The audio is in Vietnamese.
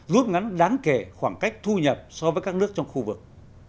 rút ngắn đáng kể khoảng cách thu nhập so với các nước trong khu vực